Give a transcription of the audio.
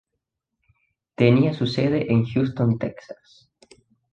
Tenía su sede en Houston, Texas.